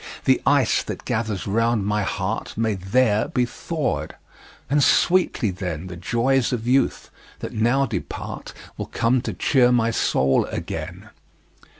The ice that gathers round my heart May there be thawed; and sweetly, then, The joys of youth, that now depart, Will come to cheer my soul again.